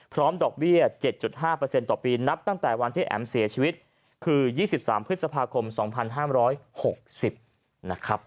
ดอกเบี้ย๗๕ต่อปีนับตั้งแต่วันที่แอ๋มเสียชีวิตคือ๒๓พฤษภาคม๒๕๖๐นะครับ